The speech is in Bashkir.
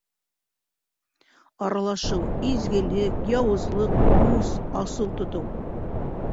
Аралашыу: изгелек, яуызлыҡ; үс, асыу тотоу